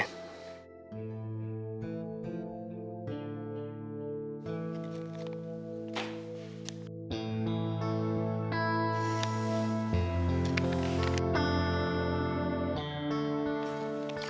terus apa namanya